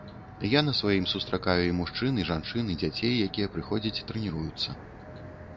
Я на сваім сустракаю і мужчын, і жанчын, і дзяцей, якія прыходзяць, трэніруюцца.